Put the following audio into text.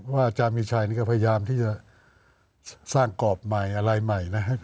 อาจารย์มีชัยนี่ก็พยายามที่จะสร้างกรอบใหม่อะไรใหม่นะครับ